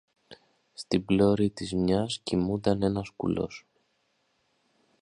Στην πλώρη της μιας κοιμούνταν ένας κουλός